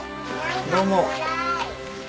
どうも。